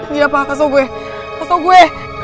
gila pak kasau gue kasau gue